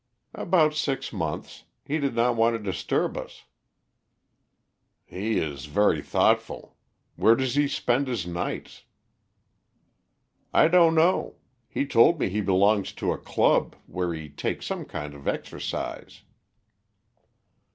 "About six months. He did not want to disturb us." "He is very thoughtful! Where does he spend his nights?" "I don't know. He told me he belongs to a club, where he takes some kind of exercise."